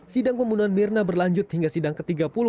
sidang pembunuhan mirna berlanjut hingga sidang ke tiga puluh